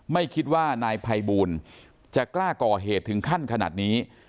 ไม่คิดว่านายภัยบูลจะกล้าก่อเหตุถึงขั้นขนาดนี้